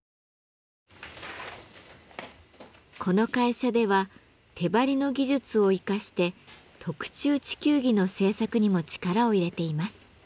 この会社では手貼りの技術を生かして特注地球儀の制作にも力を入れています。